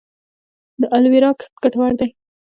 د الوویرا کښت ګټور دی؟